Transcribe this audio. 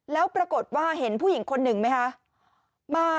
แล้วปรากฏว่าเห็นผู้หญิงคนหนึ่งไหมคะ